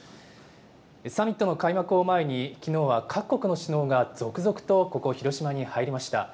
サミットの開幕を前に、きのうは各国の首脳が続々とここ、広島に入りました。